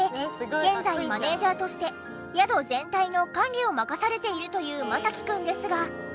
現在マネージャーとして宿全体の管理を任されているというマサキくんですが。